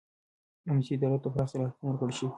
امنیتي ادارو ته پراخ صلاحیتونه ورکړل شول.